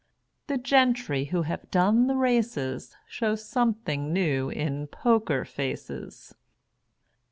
The gentry who have done the races Show something new in Poker Faces.